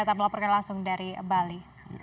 kita melaporkan langsung dari bali